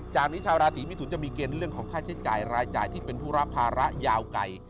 จากนี้ชาวราศีมิถุนจะมีเกณฑ์เรื่องของค่าใช้จ่ายรายจ่ายที่เป็นผู้รับภาระยาวไกล